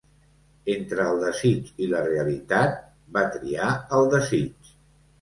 Entre el desig i la realitat, va triar el desig.